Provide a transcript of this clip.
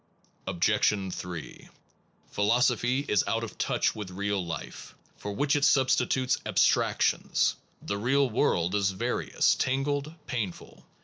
Objection 3. Philosophy is out of touch with real life, for which it substitutes abstractions. The real world is various, tangled, painful.